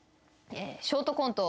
ショートコント